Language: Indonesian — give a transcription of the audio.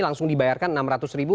langsung dibayarkan rp enam ratus ribu